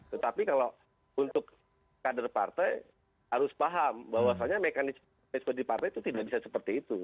tetapi kalau untuk kader partai harus paham bahwasannya mekanisme di partai itu tidak bisa seperti itu